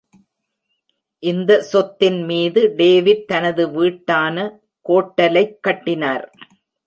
இந்த சொத்தின் மீது டேவிட் தனது வீட்டான கோட்டலைக் கட்டினார்.